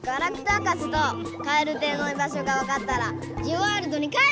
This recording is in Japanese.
博士とカエルテイのいばしょがわかったらジオワールドに帰るよ！